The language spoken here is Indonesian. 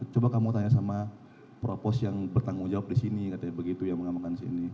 coba kamu tanya sama propos yang bertanggung jawab disini begitu yang mengamalkan disini